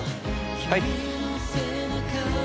はい。